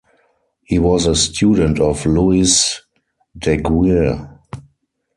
He was a student of Louis Daguerre.